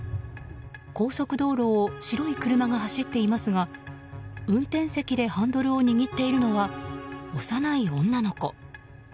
高速道路を白い車が走っていますが運転席でハンドルを握っているのは幼い女の子。